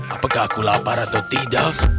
apakah aku lapar atau tidak